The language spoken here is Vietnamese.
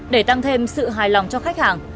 để tăng thêm sự hài lòng cho khách hàng